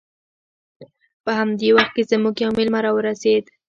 په همدې وخت کې زموږ یو میلمه راورسید